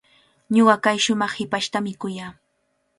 Ñuqa kay shumaq hipashtami kuyaa.